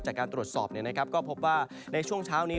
จากการตรวจสอบเนี่ยนะครับก็พบว่าในช่วงเช้านี้